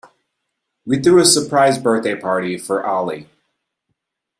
We threw a surprise birthday party for Ali.